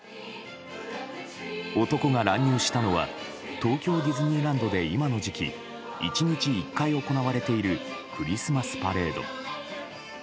男が乱入したのは東京ディズニーランドで今の時期、１日１回行われているクリスマスパレード。